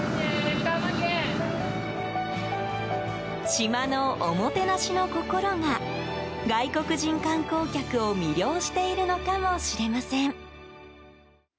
島のおもてなしの心が外国人観光客を魅了しているのかもしれません。